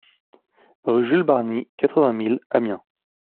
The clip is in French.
Rue Jules Barni, quatre-vingt mille Amiens